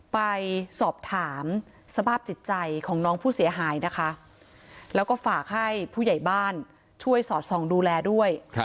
ไปสอบถามสภาพจิตใจของน้องผู้เสียหายนะคะแล้วก็ฝากให้ผู้ใหญ่บ้านช่วยสอดส่องดูแลด้วย